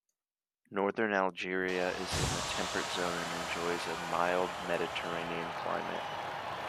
Northern Algeria is in the temperate zone and enjoys a mild, Mediterranean climate.